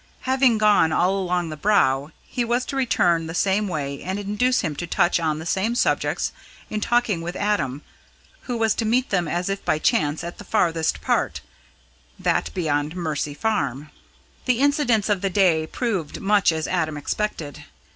Having gone all along the Brow, he was to return the same way and induce him to touch on the same subjects in talking with Adam, who was to meet them as if by chance at the farthest part that beyond Mercy Farm. The incidents of the day proved much as Adam expected.